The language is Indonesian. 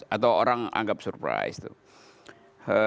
atau orang anggap surprise